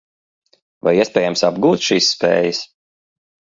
Vai iespējams apgūt šīs spējas?